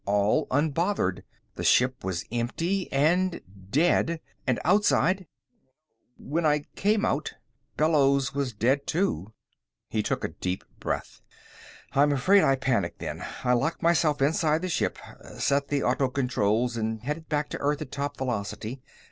All unbothered. The ship was empty and dead. And outside "When I came out, Bellows was dead too." He took a deep breath. "I'm afraid I panicked then. I locked myself inside the ship, set the autocontrols, and headed back to Earth at top velocity.